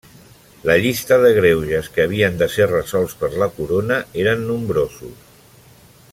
La llista de greuges que havien de ser resolts per la corona eren nombrosos.